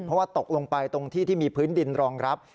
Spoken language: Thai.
เพราะว่าตกลงไปตรงที่ที่มีพื้นดินรองรับ